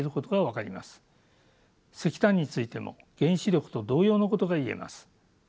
石炭についても原子力と同様のことが言えます。